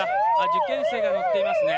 受験生が乗っていますね。